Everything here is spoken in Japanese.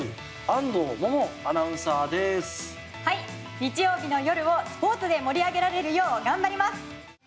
日曜日の夜をスポーツで盛り上げられるよう頑張ります。